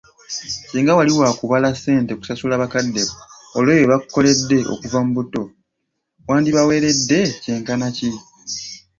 Singa wali wakubala ssente kusasula bakadde bo, olwebyo bye bakukoledde okuva obuto, wandibaweeredde ky'enkana ki ?